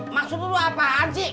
maksud lu apaan sih